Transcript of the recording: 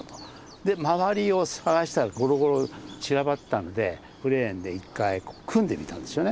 で周りを探したらゴロゴロ散らばってたんでクレーンで一回組んでみたんですよね。